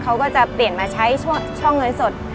เขาก็จะเปลี่ยนมาใช้ช่องเงินสด